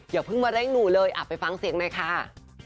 อย่าเพิ่งมาเร่งหนูเลยไปฟังเสียงหน่อยค่ะ